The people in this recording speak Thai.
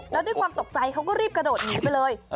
แล้วด้วยความตกใจเขาก็รีบกระโดดหนีไปเลย